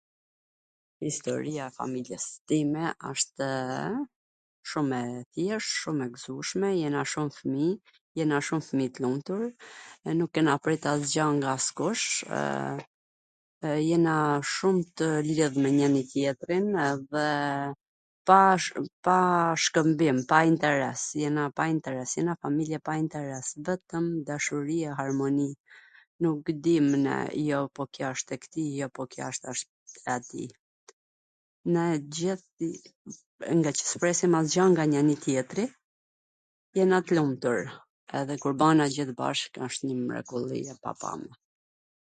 Mw thuaj pak historin e familjes twnde. Po historia ime Ca me thwn. Bab, nan, ka vdek. Nji vlla kam, mir jam, pamartum.